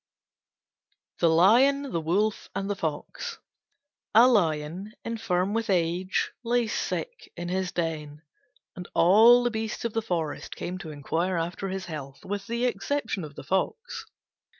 THE LION, THE WOLF, AND THE FOX A Lion, infirm with age, lay sick in his den, and all the beasts of the forest came to inquire after his health with the exception of the Fox.